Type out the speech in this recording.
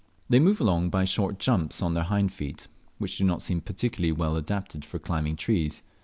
They move along by short jumps on their hind feet, which do not seem particularly well adapted for climbing trees.